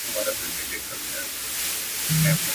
کتاب د انسان ذهن ته نوې مفکورې ورکوي او فکر پياوړی کوي `